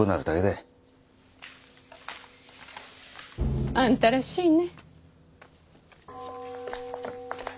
いあんたらしいね